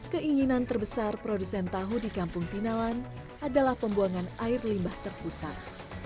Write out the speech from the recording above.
keinginan terbesar produsen tahu di kampung tinawan adalah pembuangan air limbah terpusat